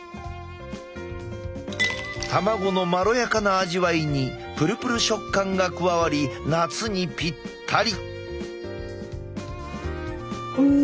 卵のまろやかな味わいにプルプル食感が加わり夏にぴったり。